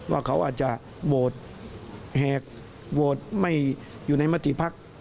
ว่าเขาอาจจะโหวตแหกโหวตไม่อยู่ในมติภักดิ์